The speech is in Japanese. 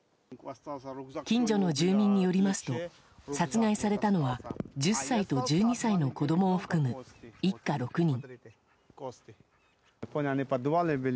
近所の住民によりますと殺害されたのは１０歳と１２歳の子供を含む一家６人。